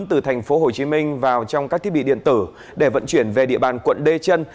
từ thành phố hồ chí minh vào trong các thiết bị điện tử để vận chuyển về địa bàn quận lê chân